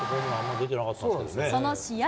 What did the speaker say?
その試合